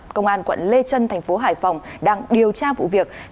công an quận lê trân thành phố hải phòng đang điều tra vụ việc